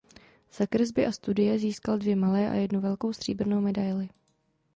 Za kresby a studie získal dvě malé a jednu velkou stříbrnou medaili.